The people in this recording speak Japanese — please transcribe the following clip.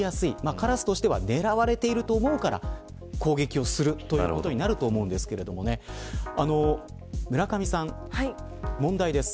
カラスとしては狙われていると思うから攻撃をするということになると思うんですが村上さん、問題です。